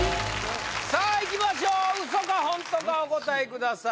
さあいきましょうウソかホントかお答えください